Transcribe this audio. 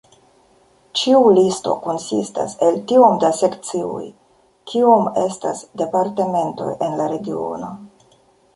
Ĉiu listo konsistas el tiom da sekcioj kiom estas departementoj en la regiono.